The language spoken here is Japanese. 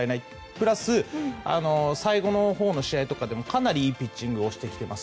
プラス、最後のほうの試合でもかなりいいピッチングをしてきています。